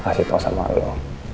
lo kasih tau sama lo